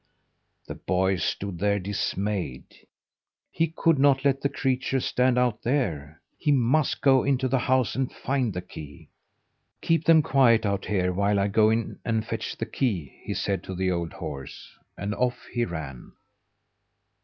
The boy stood there dismayed. He could not let the creatures stand out there! He must go into the house and find the key. "Keep them quiet out here while I go in and fetch the key!" he said to the old horse, and off he ran.